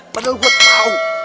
padahal gue tau